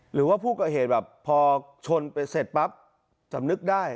หรือว่าผู้ก่อเหตุแบบพอชนไปเสร็จปั๊บจำนึกได้